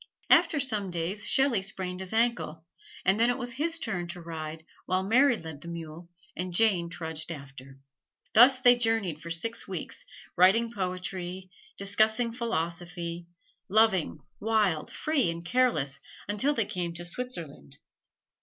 After some days Shelley sprained his ankle, and then it was his turn to ride while Mary led the mule and Jane trudged after. Thus they journeyed for six weeks, writing poetry, discussing philosophy; loving, wild, free and careless, until they came to Switzerland.